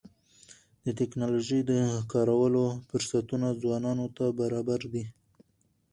د ټکنالوژۍ د کارولو فرصتونه ځوانانو ته برابر دي.